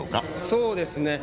そうですね。